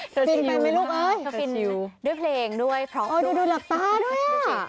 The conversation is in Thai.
ฟินไปไหมลูกเอ้ยก็ฟินอยู่ด้วยเพลงด้วยพร้อมดูหลับตาด้วยอ่ะ